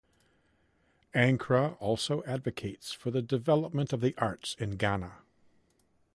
Ankrah also advocates for the development of the arts in Ghana.